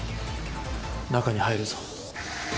中に入るぞ。